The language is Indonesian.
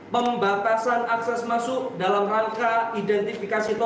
pembatasan wilayah yang masuk ke wilayah trenggalek